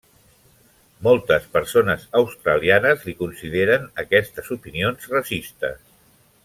Moltes persones australianes li consideren aquestes opinions racistes.